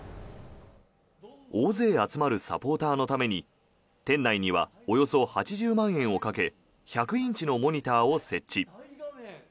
大勢集まるサポーターのために店内にはおよそ８０万円をかけ１００インチのモニターを設置。